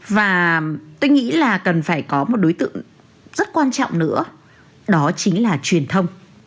và tôi nghĩ là cần phải có một đối tượng rất quan trọng nữa đó chính là truyền thông